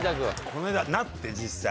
この間なって実際。